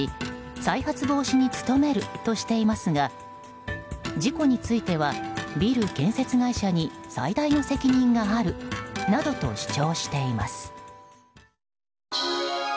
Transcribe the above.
再発防止に努めるとしていますが事故については、ビル建設会社に最大の責任があるなどと主張しています。